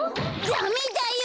ダメだよ！